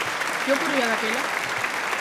¿Que ocorría daquela?